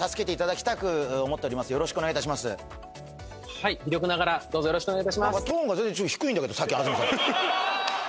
はい微力ながらどうぞよろしくお願いいたします